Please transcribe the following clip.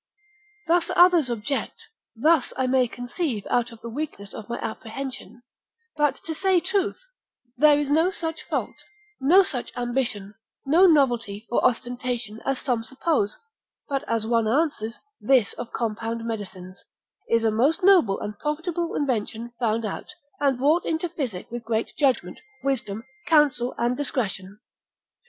Thus others object, thus I may conceive out of the weakness of my apprehension; but to say truth, there is no such fault, no such ambition, no novelty, or ostentation, as some suppose; but as one answers, this of compound medicines, is a most noble and profitable invention found out, and brought into physic with great judgment, wisdom, counsel and discretion.